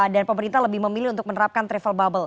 dan pemerintah lebih memilih untuk menerapkan travel bubble